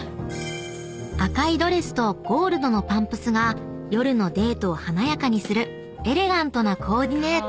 ［赤いドレスとゴールドのパンプスが夜のデートを華やかにするエレガントなコーディネート］